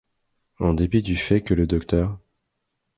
En dépit du fait que le Dr.